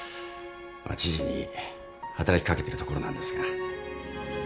知事に働き掛けてるところなんですが。